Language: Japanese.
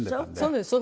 そうです。